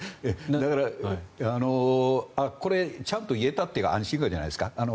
だから、これちゃんと言えたという安心感じゃないですか。